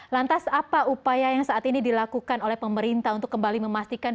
lantas apa upaya yang saat ini dilakukan oleh pemerintah untuk kembali memastikan